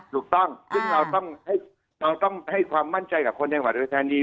ถูกต้องซึ่งเราต้องให้ความมั่นใจกับคนในจังหวัดอุทธานี